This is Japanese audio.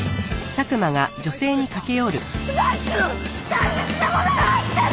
大切なものが入ってるんです！